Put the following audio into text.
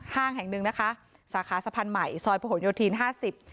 แห่งหนึ่งนะคะสาขาสะพานใหม่ซอยประหลโยธินห้าสิบ